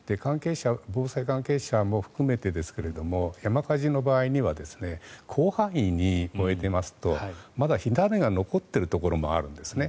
防災関係者も含めてですが山火事の場合には広範囲に燃えていますとまだ火種が残っているところもあるんですね。